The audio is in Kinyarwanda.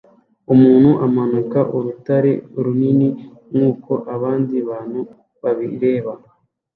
Umuntu amanika urutare runini nkuko abandi bantu babireba